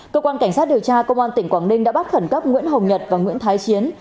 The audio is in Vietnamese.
cơ quan cảnh sát điều tra công an tỉnh quảng ninh đã bắt khẩn cấp nguyễn hồng nhật và nguyễn thái chiến